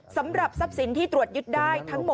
สำหรับทรัพย์สินที่ตรวจยึดได้ทั้งหมด